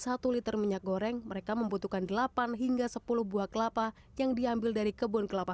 satu liter minyak goreng mereka membutuhkan delapan hingga sepuluh buah kelapa yang diambil dari kebun kelapa